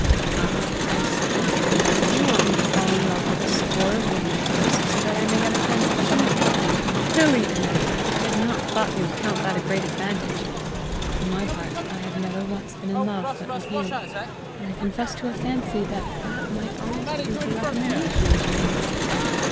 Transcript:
"Ah, I see! You want me to fall in love with a score of women first, so that I may have a chance of choosing. Really, Annie, I had not thought you would count that a great advantage. For my part, I have never once been in love but with you, and I confess to a fancy that that might almost prove a recommendation to you.